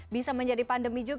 bisa menjadi pandemi juga